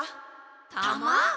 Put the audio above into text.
たま？